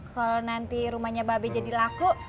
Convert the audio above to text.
kalau nanti rumahnya mbak be jadi laku